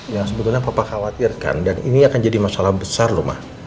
yang sebetulnya papa khawatirkan dan ini akan jadi masalah besar loh mas